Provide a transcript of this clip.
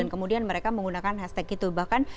kemudian mereka menggunakan hashtag itu bahkan